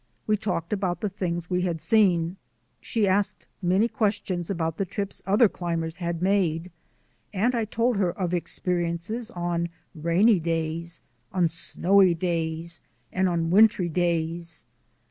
We talked about the things we had seen. She asked many questions about the trips other climbers had made, and I told her of ex periences on rainy days, on snowy days, and on wintry days.